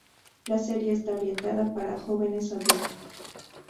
La serie está orientada para "jóvenes adultos".